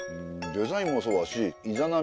デザインもそうだし伊邪那